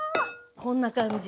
こんな感じ。